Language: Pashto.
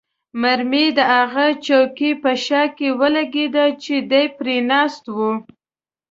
مرمۍ د هغه چوکۍ په شا کې ولګېده چې دی پرې ناست وو.